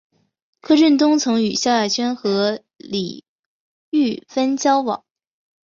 柯震东曾与萧亚轩和李毓芬交往。